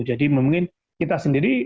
jadi mungkin kita sendiri